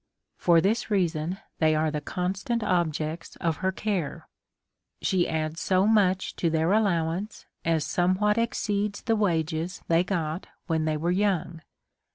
For this reason, they are the constant objects of her care ; she adds so much to their allowance, as some what exceeds the wages they got when they were young.